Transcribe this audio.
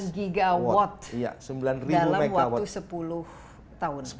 delapan gigawatt dalam waktu sepuluh tahun